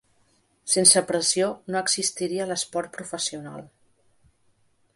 Sense pressió no existiria l’esport professional.